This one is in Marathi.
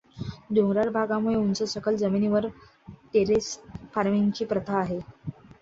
डोंगराळ भागामुळे उंच सखल जमिनीवर टेरेस फार्मिंगची प्रथा आहे.